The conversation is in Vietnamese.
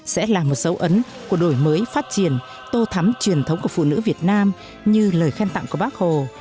sẽ là một dấu ấn của đổi mới phát triển tô thắm truyền thống của phụ nữ việt nam như lời khen tặng của bác hồ